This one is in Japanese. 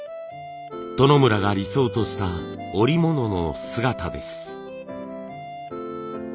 外村が理想とした織物の姿です。